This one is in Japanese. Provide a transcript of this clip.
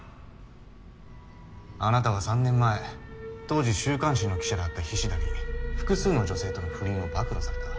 あなたは３年前当時週刊誌の記者だった菱田に複数の女性との不倫を暴露された。